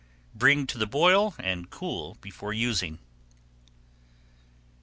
Bring to the boil and cool before using.